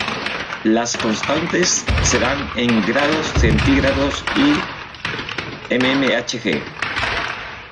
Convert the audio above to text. Las constantes se dan en °C y mmHg.